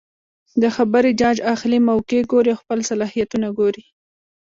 د خبرې جاج اخلي ،موقع ګوري او خپل صلاحيتونه ګوري